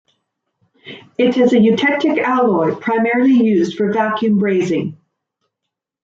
It is a eutectic alloy primarily used for vacuum brazing.